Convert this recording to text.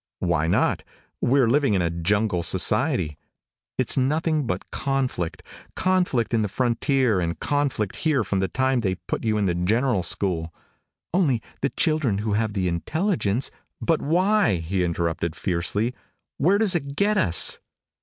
"Why not? We're living in a jungle society. It's nothing but conflict conflict on the frontier and conflict here from the time they put you in the general school." "Only the children who have the intelligence " "But why?" he interrupted fiercely. "Where does it get us?"